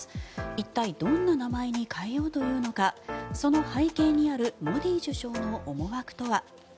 一体、どんな名前に変えようというのかその背景にあるモディ首相の思惑とは。